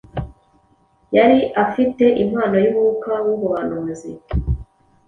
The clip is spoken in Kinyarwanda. yari afite impano y’Umwuka w’ubuhanuzi;